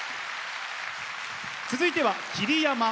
続いては桐山親方